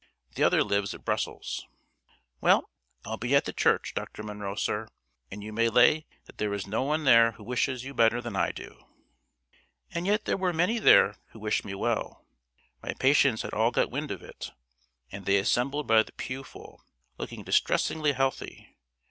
The other lives at Brussels. Well, I'll be at the church, Dr. Munro, sir; and you may lay that there is no one there who wishes you better than I do." And yet there were many there who wished me well. My patients had all got wind of it; and they assembled by the pew full, looking distressingly healthy.